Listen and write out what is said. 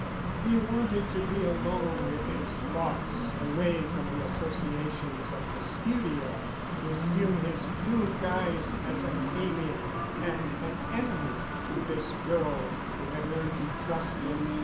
He wanted to be alone with his thoughts away from the associations of the studio, to assume his true guise as an alien and an enemy to this girl who had learned to trust him.